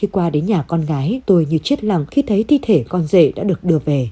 qua đến nhà con gái tôi như chết lòng khi thấy thi thể con rể đã được đưa về